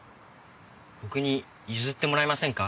僕に譲ってもらえませんか？